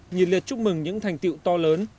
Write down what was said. nhìn liệt chúc mừng những thành tiệu to lớn